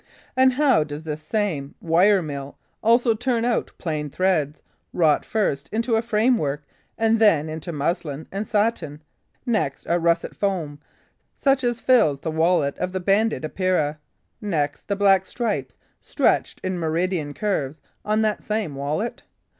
And how does this same wire mill also turn out plain threads, wrought first into a framework and then into muslin and satin; next, a russet foam, such as fills the wallet of the Banded Epeira; next, the black stripes stretched in meridian curves on that same wallet?